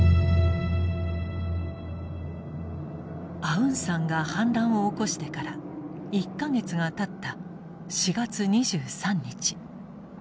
アウンサンが反乱を起こしてから１か月がたった４月２３日。